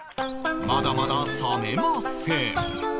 まだまだ冷めません